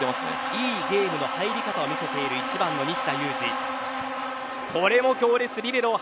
いいゲームの入り方を見せている１番の西田有志。